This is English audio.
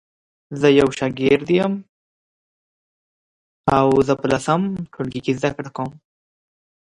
These accidents seldom hurt the reputation of the bleeder.